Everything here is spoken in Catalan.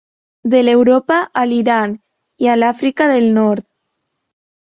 De l'Europa a l'Iran i a l'Àfrica del Nord.